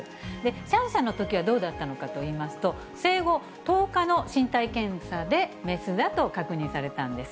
シャンシャンのときはどうだったのかといいますと、生後１０日の身体検査で雌だと確認されたんです。